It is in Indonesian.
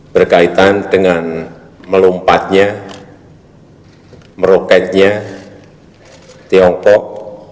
berkaitan dengan melompatnya meroketnya tiongkok